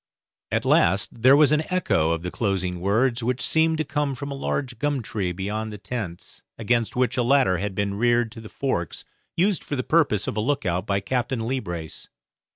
At last there was an echo of the closing words which seemed to come from a large gum tree beyond the tents, against which a ladder had been reared to the forks, used for the purpose of a look out by Captain Leebrace.